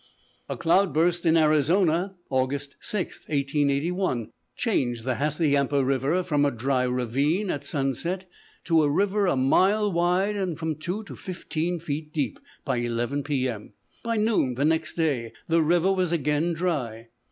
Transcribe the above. A cloud burst in Arizona, August 6, 1881, changed the Hassayampa River from a dry ravine at sunset to a river a mile wide and from two to fifteen feet deep by 11 P.M.; by noon next day the river was again dry.